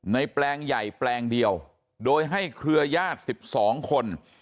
แปลงใหญ่แปลงเดียวโดยให้เครือญาติ๑๒คน